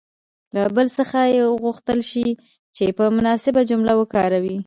له بل څخه دې وغوښتل شي چې په مناسبه جمله کې وکاروي.